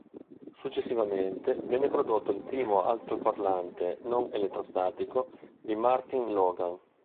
Successivamente venne prodotto il primo altoparlante non elettrostatico di MartinLogan.